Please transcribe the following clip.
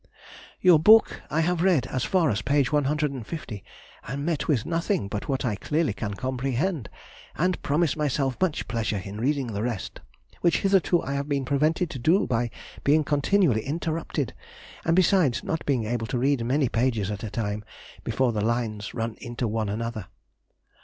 Your book I have read as far as page 150, and met with nothing but what I clearly can comprehend, and promise myself much pleasure in reading the rest, which hitherto I have been prevented to do by being continually interrupted, and besides not being able to read many pages at a time before the lines run one into another.